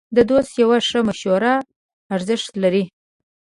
د دوست یوه ښه مشوره ارزښت لري.